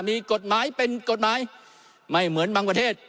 มีกฎหมายเป็นกฎหมายไม่เหมือนบางประเทศ